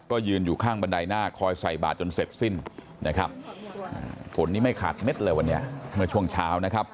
ก็ยืนอยู่ข้างบันไดหน้าคอยใส่บาทจนเสร็จสิ้นนะครับฝนนี้ไม่ขาดเม็ดเลยวันนี้เมื่อช่วงเช้านะครับ